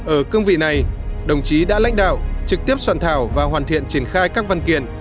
ở cương vị này đồng chí đã lãnh đạo trực tiếp soạn thảo và hoàn thiện triển khai các văn kiện